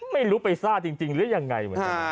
ไม่รู้ไปซ่าจริงหรือยังไง